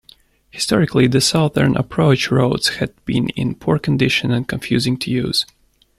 Historically, the southern approach roads had been in poor condition and confusing to use.